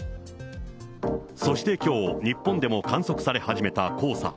そしてきょう、日本でも観測され始めた黄砂。